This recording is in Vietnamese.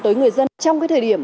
tới người dân trong cái thời điểm